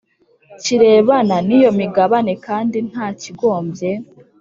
kirebana n iyo migabane kandi nta kigombye